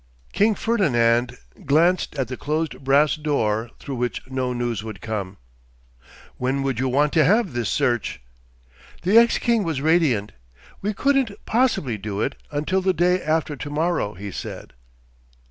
King Ferdinand glanced at the closed brass door through which no news would come. 'When would you want to have this search?' The ex king was radiant. 'We couldn't possibly do it until the day after to morrow,' he said.